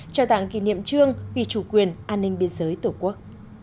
trao tặng kỷ niệm trương vì chủ quyền an ninh biên giới tổ quốc